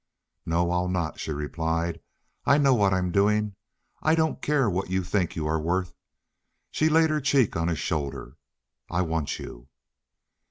"No, I'll not," she replied. "I know what I'm doing. I don't care what you think you are worth." She laid her cheek on his shoulder. "I want you."